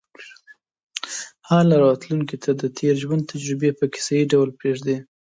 حال او راتلونکې ته د تېر ژوند تجربې په کیسه یې ډول پرېږدي.